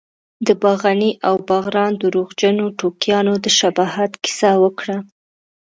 د باغني او باغران درواغجنو ټوکیانو د شباهت کیسه وکړه.